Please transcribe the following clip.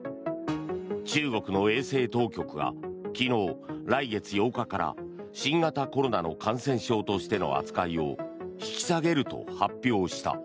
中国の衛生当局が昨日来月８日から新型コロナの感染症としての扱いを引き下げると発表した。